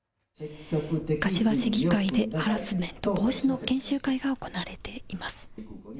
柏市議会でハラスメント防止の研修会が行われています。